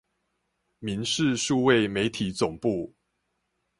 民視數位媒體總部